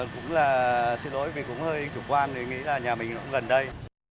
cũng là xin lỗi vì cũng hơi chủ quan mình nghĩ là nhà mình cũng gần đây